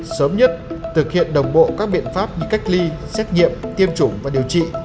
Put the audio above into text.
sớm nhất thực hiện đồng bộ các biện pháp như cách ly xét nghiệm tiêm chủng và điều trị